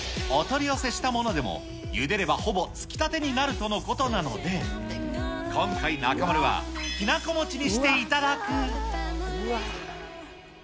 お取り寄せしたものでも、ゆでればほぼつきたてになるとのことなので、今回、中丸はきな粉餅にして頂く。